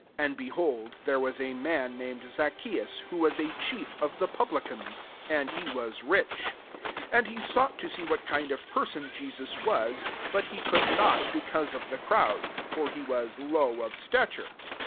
9. And, behold, there was a man named Zaccheus, who was a chief of the publicans ; and he was rich. 3 And he sought to see what kind of person Je sus was : but he could not, be cause of the crowd ; for he was low of stature.